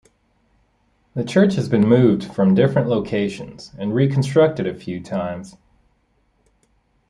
The church has been moved from different locations and reconstructed a few times.